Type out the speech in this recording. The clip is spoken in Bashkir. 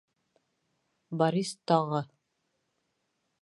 Борис тағы: